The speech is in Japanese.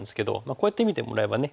こうやって見てもらえばね